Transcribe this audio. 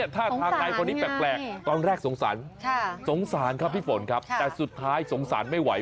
ท่าทางนายคนนี้แปลกตอนแรกสงสารสงสารครับพี่ฝนครับแต่สุดท้ายสงสารไม่ไหว